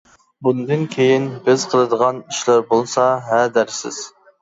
بۇندىن كېيىن بىز قىلىدىغان ئىشلار بولسا ھە دەرسىز!